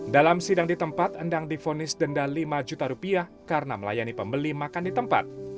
dalam sidang di tempat endang difonis denda lima juta rupiah karena melayani pembeli makan di tempat